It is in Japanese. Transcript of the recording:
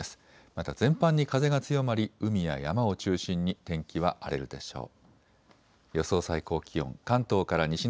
また全般に風が強まり海や山を中心に天気は荒れるでしょう。